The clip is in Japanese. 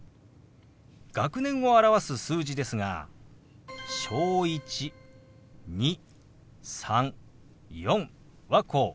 学年を表す数字ですが「小１」「２」「３」「４」はこう。